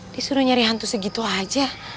disuruh nyari hantu segitu aja